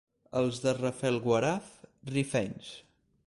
Els de Rafelguaraf, rifenys.